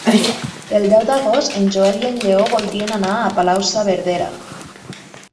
El deu d'agost en Joel i en Lleó voldrien anar a Palau-saverdera.